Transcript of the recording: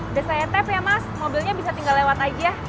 udah saya tep ya mas mobilnya bisa tinggal lewat aja